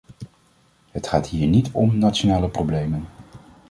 Het gaat hier niet om nationale problemen.